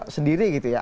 sendiri gitu ya